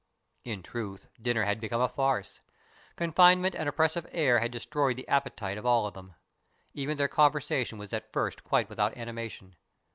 In truth dinner had become a farce. Confine ment and oppressive air had destroyed the appetite of all of them. Even their conversation was at first quite without animation.